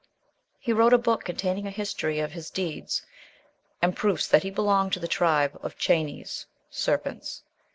He wrote a book containing a history of his deeds, and proofs that he belonged to the tribe of Chanes (serpents).